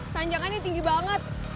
tanjakannya tinggi banget